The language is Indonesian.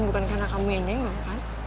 bukan karena kamu yang nengong kan